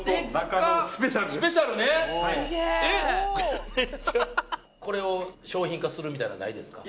これを商品化するみたいなのはないですか？